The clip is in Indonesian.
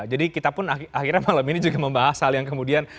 jadi kita pun akhirnya malam ini juga membahas hal yang kemudian